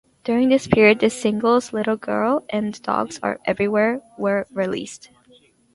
During this period, the singles "Little Girl" and "Dogs Are Everywhere" were released.